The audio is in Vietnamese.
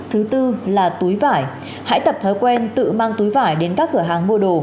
thứ tư là túi vải hãy tập thói quen tự mang túi vải đến các cửa hàng mua đồ